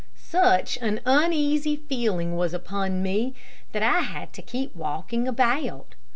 Such an uneasy feeling was upon me that I had to keep walking about.